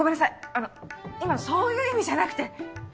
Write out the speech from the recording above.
あの今のそういう意味じゃなくて。